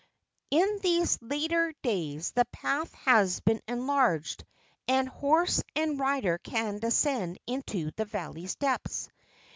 In these later days the path has been enlarged, and horse and rider can descend into the valley's depths.